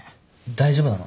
大丈夫なの？